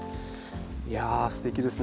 いやすてきですね。